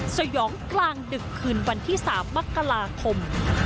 สยองกลางดึกคืนวันที่๓มกราคม